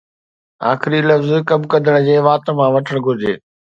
آخري لفظ ڪم ڪندڙ جي وات مان وٺڻ گهرجي